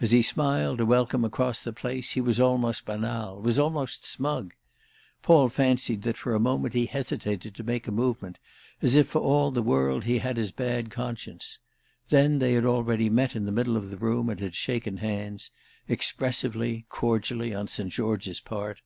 As he smiled a welcome across the place he was almost banal, was almost smug. Paul fancied that for a moment he hesitated to make a movement, as if for all the world he had his bad conscience; then they had already met in the middle of the room and had shaken hands—expressively, cordially on St. George's part.